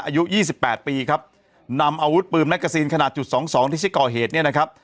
อายุยี่สิบแปดปีครับนำอาวุธปืนแกซีนขนาดจุดสองสองที่ใช้ก่อเหตุเนี่ยนะครับ